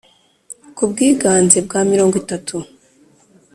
ku bwiganze bwa mirongo itatu